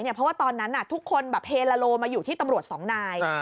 เพราะว่าตอนนั้นทุกคนแบบเฮลาโลมาอยู่ที่ตำรวจสองนาย